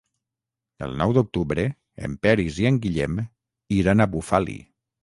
El nou d'octubre en Peris i en Guillem iran a Bufali.